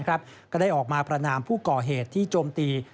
ก็ได้ออกมาประนามผู้ก่อเหตุที่โจมตี